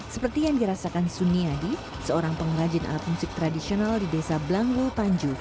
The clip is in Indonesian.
seperti yang dirasakan suni adi seorang pengrajin alat musik tradisional di desa blangul panju